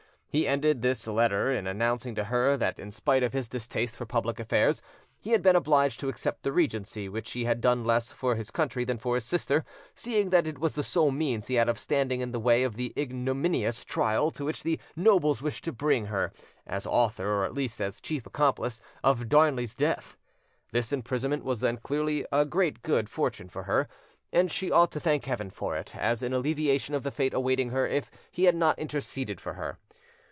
He ended his letter in announcing to her that, in spite of his distaste for public affairs, he had been obliged to accept the regency, which he had done less for his country than for his sister, seeing that it was the sole means he had of standing in the way of the ignominious trial to which the nobles wished to bring her, as author, or at least as chief accomplice, of Darnley's death. This imprisonment was then clearly a great good fortune for her, and she ought to thank Heaven for it, as an alleviation of the fate awaiting her if he had not interceded for her.